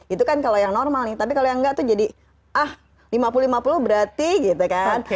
itu kan kalau yang normal nih dan yang nggak itu jadi lima puluh lima puluh berarti gitu kan